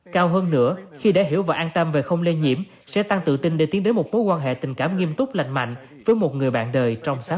cao hơn nữa khi để hiểu và an tâm về không lây nhiễm sẽ tăng tự tin để tiến đến một mối quan hệ tình cảm nghiêm túc lành mạnh với một người bạn đời trong sáng